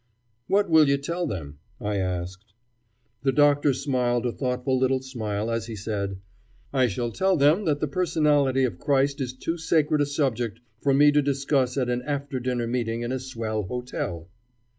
"What will you tell them?" I asked. The Doctor smiled a thoughtful little smile as he said: "I shall tell them that the personality of Christ is too sacred a subject for me to discuss at an after dinner meeting in a swell hotel."